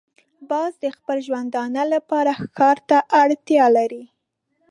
باز د خپل ژوندانه لپاره ښکار ته اړتیا لري